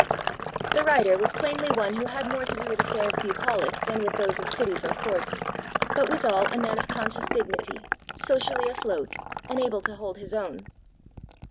The rider was plainly one who had more to do with affairs bucolic than with those of cities or courts, but withal a man of conscious dignity, socially afloat, and able to hold his own.